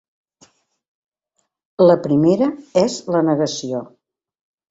La primera és la negació.